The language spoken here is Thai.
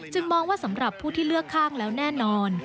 มองว่าสำหรับผู้ที่เลือกข้างแล้วแน่นอน